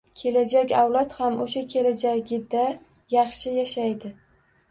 Kelajak avlod ham o‘sha – kelajagida yaxshi yashaydi.